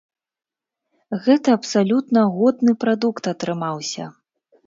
Гэта абсалютна годны прадукт атрымаўся.